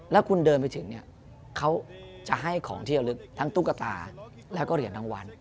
แล้วคุณเดินไปถึงเนี่ยเขาจะให้ของที่ระลึกทั้งตุ๊กตาแล้วก็เหรียญรางวัล